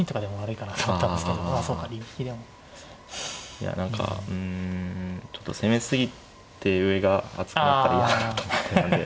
いや何かうんちょっと攻め過ぎて上が厚くなったら嫌だなと思ってたんで。